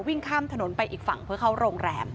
วิ่งข้ามถนนไปอีกฝั่งเพื่อเข้าโรงแรม